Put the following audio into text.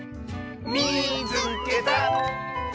「みいつけた！」。